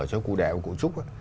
cho cụ đệ và cụ trúc